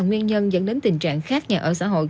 nguyên nhân dẫn đến tình trạng khác nhà ở xã hội